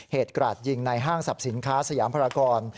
เหตุกราศยิงในห้างสับสินค้าสยามพรากร